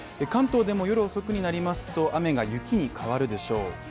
関東でも夜遅くになりますと雨が雪に変わるでしょう。